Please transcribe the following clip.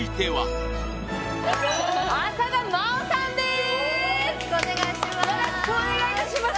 よろしくお願いします